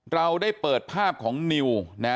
เราได้เปิดภาพของนิวนะ